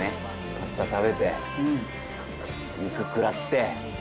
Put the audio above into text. パスタ食べて肉食らって。